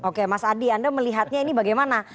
oke mas adi anda melihatnya ini bagaimana